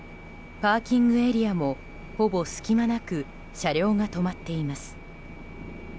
パーキングエリアもほぼ隙間なく車両が止まっています。